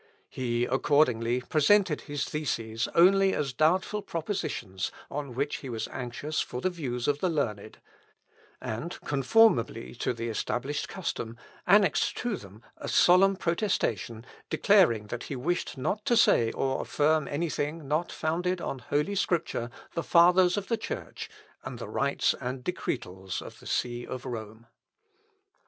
He, accordingly, presented his theses only as doubtful propositions on which he was anxious for the views of the learned; and, conformably to the established custom, annexed to them a solemn protestation, declaring that he wished not to say or affirm any thing not founded on Holy Scripture, the Fathers of the Church, and the rights and decretals of the See of Rome.